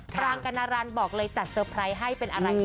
ปรางกรณรันบอกเลยจัดเตอร์ไพรส์ให้เป็นอะไรกัน